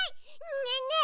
ねえねえ